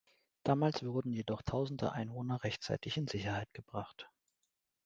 Damals wurden jedoch tausende Einwohner rechtzeitig in Sicherheit gebracht.